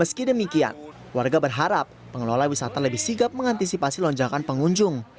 meski demikian warga berharap pengelola wisata lebih sigap mengantisipasi lonjakan pengunjung